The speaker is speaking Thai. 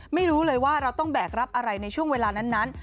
ไม่รู้เลยว่าเราต้องแบกรับอะไรในช่วงเวลานั้น